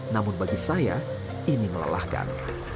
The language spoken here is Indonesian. namun bagi saya ini melelahkan